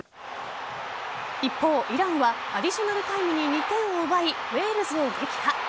一方、イランはアディショナルタイムに２点を奪いウェールズを撃破。